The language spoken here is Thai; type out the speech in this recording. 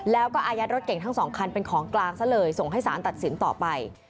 แล้วก็อายัดรถเก่งทั้งสองคันเป็นของกลางซะเลยส่งให้สารตัดสินต่อไป